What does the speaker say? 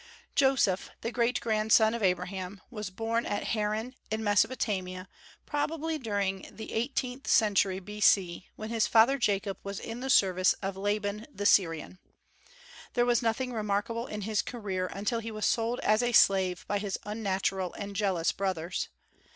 Joseph, the great grandson of Abraham, was born at Haran in Mesopotamia, probably during the XVIII. Century B.C., when his father Jacob was in the service of Laban the Syrian. There was nothing remarkable in his career until he was sold as a slave by his unnatural and jealous brothers.